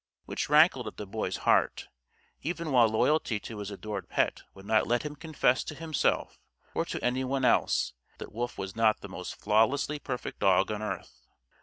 Which rankled at the Boy's heart; even while loyalty to his adored pet would not let him confess to himself or to anyone else that Wolf was not the most flawlessly perfect dog on earth.